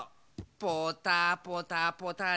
ポタポタポタリ。